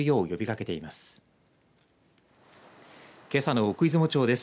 けさの奥出雲町です。